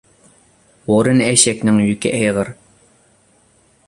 ھۇرۇن ئېشەكنىڭ يۈكى ئېغىر.